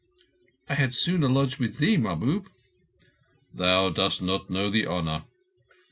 "I had sooner lodge with thee, Mahbub." "Thou dost not know the honour.